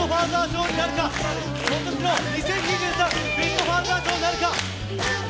今年、２０２３のベスト・ファーザー賞になるか。